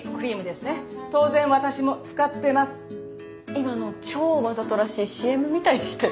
今の超わざとらしいＣＭみたいでしたよ。